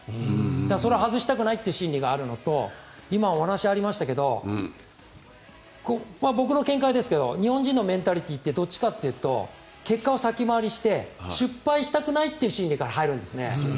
それは、外したくないという心理があるのと今、お話ありましたが僕の見解ですが日本人のメンタリティーってどっちかというと結果を先回りして失敗したくないって心理から入るんですね。